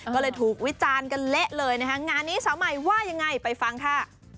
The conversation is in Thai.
ก็เลยถูกวิจารณ์กันเละเลยนะคะงานนี้สาวใหม่ว่ายังไงไปฟังค่ะ